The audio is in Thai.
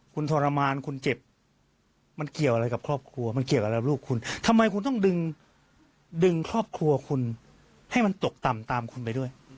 คุณผู้ชมหลายคนถามเลขที่บ้านค่ะ